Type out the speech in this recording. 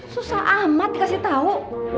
susah amat dikasih tau